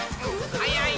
はやい！